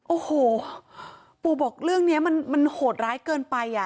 โอ้โหปู่บอกเรื่องนี้มันโหดร้ายเกินไป